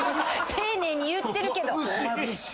丁寧に言ってるけど！